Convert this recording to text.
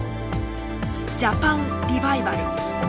ジャパン・リバイバル。